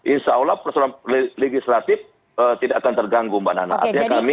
insya allah persoalan legislatif tidak akan terganggu mbak nana